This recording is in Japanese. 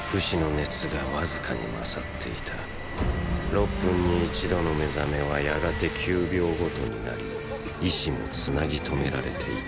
６分に一度の目覚めはやがて９秒ごとになり意志も繋ぎ止められていた。